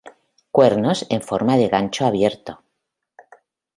Cuernos en forma de gancho abierto.